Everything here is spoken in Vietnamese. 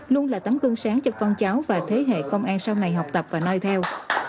luôn là tấm gương sáng cho con cháu và thế hệ công an sau này học tập và nói theo